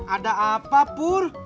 ada apa pur